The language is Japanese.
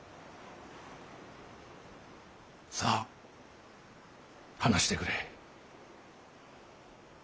さあ話してくれ。